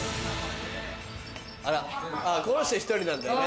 あらあこの人１人なんだな。